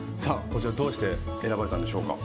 こちら、どうして選ばれたんでしょうか。